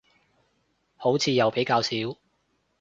好似又比較少